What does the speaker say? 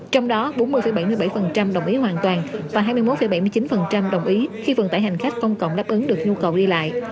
trong đó bốn mươi bảy mươi bảy đồng ý hoàn toàn và hai mươi một bảy mươi chín đồng ý khi vận tải hành khách công cộng đáp ứng được nhu cầu đi lại